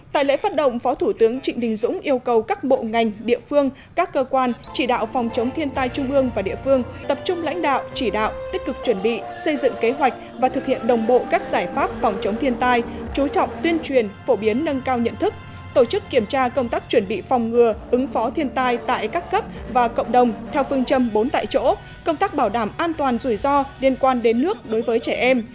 tại lễ phát động phó thủ tướng trịnh đình dũng yêu cầu các bộ ngành địa phương các cơ quan chỉ đạo phòng chống thiên tai trung ương và địa phương tập trung lãnh đạo chỉ đạo tích cực chuẩn bị xây dựng kế hoạch và thực hiện đồng bộ các giải pháp phòng chống thiên tai chú trọng tuyên truyền phổ biến nâng cao nhận thức tổ chức kiểm tra công tác chuẩn bị phòng ngừa ứng phó thiên tai tại các cấp và cộng đồng theo phương châm bốn tại chỗ công tác bảo đảm an toàn rủi ro liên quan đến nước đối với trẻ em